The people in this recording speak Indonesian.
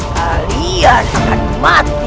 kalian akan mati